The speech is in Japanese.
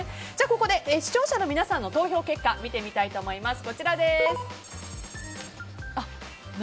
ここで視聴者の皆さんの投票結果見てみたいと思います。